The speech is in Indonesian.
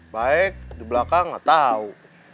baik di belakang gak tau